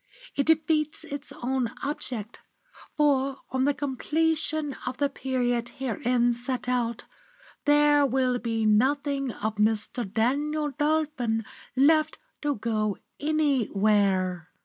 It defeats its own object, for on the completion of the period herein set out, there will be nothing of Mr. Daniel Dolphin left to go anywhere!